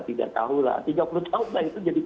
tidak tahu lah tiga puluh tahun lah itu jadi